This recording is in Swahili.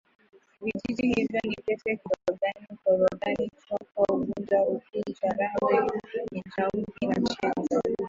Vijiji hivyo ni Pete kitogani Ukongoroni Chwaka Unguja Ukuu Charawe Michamvi na cheju